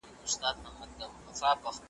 ثیبې ته ولي لږې شپې کفایت کوي؟